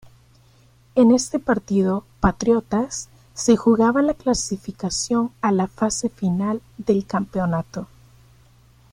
En este partido Patriotas se jugaba la clasificación a la fase final del campeonato.